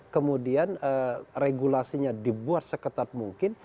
kemudian regulasinya dibuat seketat mungkin